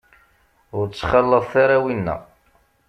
Ur ttxalaḍet ara winna.